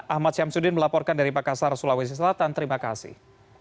ahmad syamsuddin melaporkan dari makassar sulawesi selatan terima kasih